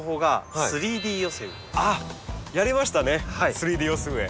３Ｄ寄せ植え。